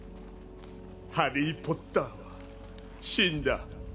ハリー・ポッターは死んだ